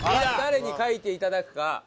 誰に書いていただくか。